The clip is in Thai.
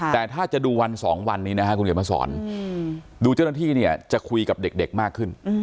แต่ถ้าจะดูวัน๒วันนี้นะครับคุณเขียนมาสอนดูเจ้าหน้าที่เนี่ยจะคุยกับเด็กมากขึ้น